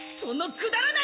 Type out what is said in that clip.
くだらない！